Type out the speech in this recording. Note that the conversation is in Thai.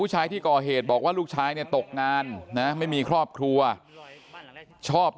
ชายที่ก่อเหตุบอกว่าลูกชายเนี่ยตกงานนะไม่มีครอบครัวชอบ